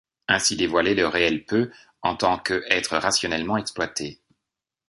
Ainsi dévoilé, le réel peut, en tant que être rationnellement exploité.